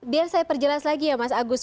biar saya perjelas lagi ya mas agus